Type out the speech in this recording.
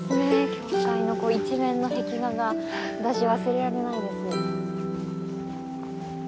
教会の一面の壁画が私忘れられないです。